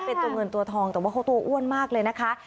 เป็นตัวเงินตัวทองแต่ว่าเขาตัวอ้วนมากเลยนะคะ